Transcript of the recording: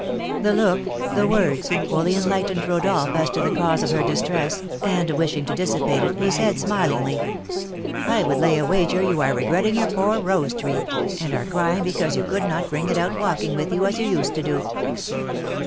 The look, the words, fully enlightened Rodolph as to the cause of her distress, and, wishing to dissipate it, he said, smilingly: "I would lay a wager you are regretting your poor rose tree, and are crying because you could not bring it out walking with you, as you used to do."